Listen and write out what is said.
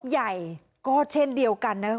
ใหญ่ก็เช่นเดียวกันนะครับ